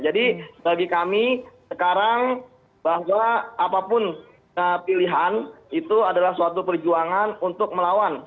jadi bagi kami sekarang bahwa apapun pilihan itu adalah suatu perjuangan untuk melawan